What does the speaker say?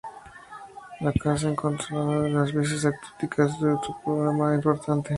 La caza incontrolada de las aves acuáticas es otro problema importante.